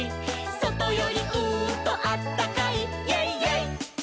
「そとよりうーんとあったかい」「イェイイェイ！